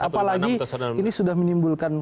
apalagi ini sudah menimbulkan